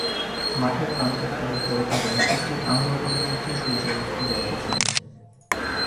মাঠের প্রান্তে খালের পরপারে একটি আম্রবনের মধ্যে সূর্য অস্ত যাইতেছেন।